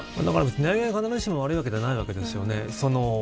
値上げがそんなに悪いわけじゃないわけですよね。